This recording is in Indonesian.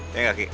iya gak ki